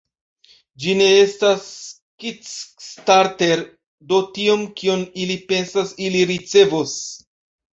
Ĝi ne estas Kickstarter do tion, kion ili enspezas, ili ricevos